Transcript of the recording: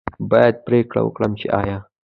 باید پرېکړه وکړي چې آیا